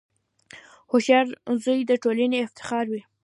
• هوښیار زوی د ټولنې افتخار وي.